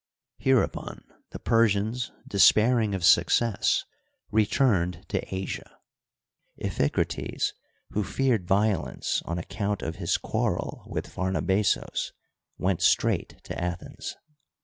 Hereupon the Persians, despairing of success, returned to Asia. Iphicrates, who feared violence on account of his quarrel with Phamabazos, went straight to Athens.